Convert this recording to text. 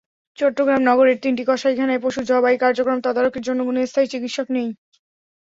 চট্টগ্রাম নগরের তিনটি কসাইখানায় পশু জবাই কার্যক্রম তদারকির জন্য কোনো স্থায়ী চিকিৎসক নেই।